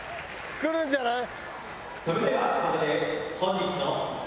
くるんじゃない？